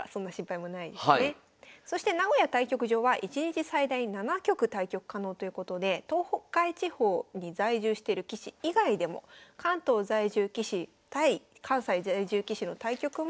そして名古屋対局場は１日最大７局対局可能ということで東海地方に在住してる棋士以外でも関東在住棋士対関西在住棋士の対局も行われるということです。